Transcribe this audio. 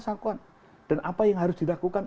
sangkuan dan apa yang harus dilakukan